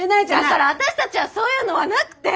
だから私たちはそういうのはなくて。